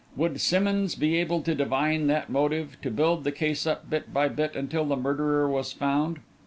Would Simmonds be able to divine that motive, to build the case up bit by bit until the murderer was found?